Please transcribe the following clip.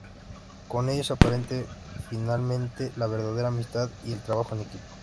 Con ellos aprende finalmente la verdadera amistad y el trabajo en equipo.